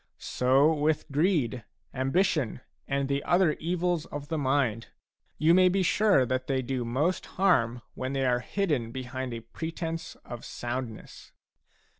So with greed, ambition, and the other evils of the mind, — you may be sure that they do mosfharm when they are hidden behind a pretence of soundness.